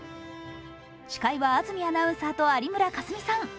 司会は安住アナウンサーと有村架純さん。